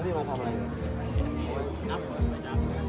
พี่พ่อกลับไปชะเทศนะพี่พ่อกลับไปชะเทศนะ